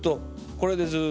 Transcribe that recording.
これでずっと。